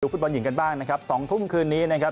ฟุตบอลหญิงกันบ้างนะครับ๒ทุ่มคืนนี้นะครับ